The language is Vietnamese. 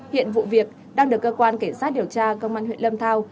hiện vụ việc đang được cơ quan cảnh sát điều tra công an huyện lâm thao